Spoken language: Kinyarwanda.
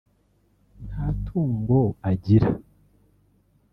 nta tungo agira